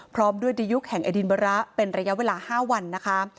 พร้อมด้วยดียุคแห่งอดินบระเป็นระยะเวลา๕วันนะคะ